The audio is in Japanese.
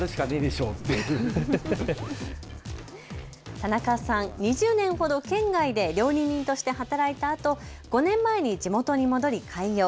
田中さん、２０年ほど県外で料理人として働いたあと５年前に地元に戻り開業。